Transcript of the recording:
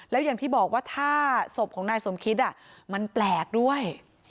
แล้วอย่างที่บอกว่าถ้าศพของนายสมคิดมันแปลกด้วย